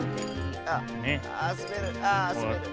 あっすべる。